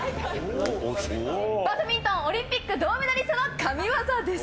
バドミントン、オリンピック銅メダリストの神技です。